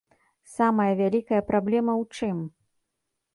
Самая вялікая праблема ў чым?